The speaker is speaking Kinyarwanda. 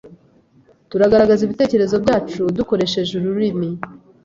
Tugaragaza ibitekerezo byacu dukoresheje ururimi.